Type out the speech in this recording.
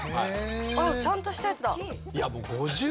あっちゃんとしたやつだ。